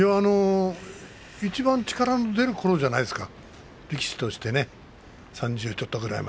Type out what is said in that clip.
いちばん力の出るころじゃないですか、力士として３０ちょっとくらい前。